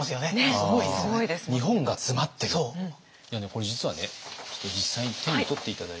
これ実はねちょっと実際に手に取って頂いて。